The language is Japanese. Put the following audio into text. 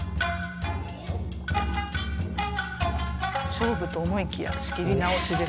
勝負と思いきや仕切り直しですね。